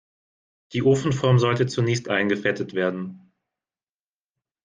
Die Ofenform sollte zunächst eingefettet werden.